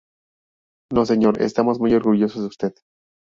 No, señor, estamos muy orgullosos de usted".